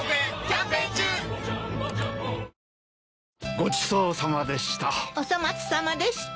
ごちそうさまでした。